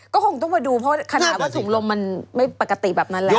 ก็คงต้องมาดูเพราะขนาดว่าถุงลมมันไม่ปกติแบบนั้นแล้ว